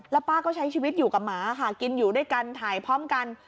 แล้วป้าก็ใช้ชีวิตอยู่กับหมาค่ะกินอยู่ด้วยกันถ่ายพร้อมกัน